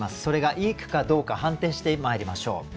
それがいい句かどうか判定してまいりましょう。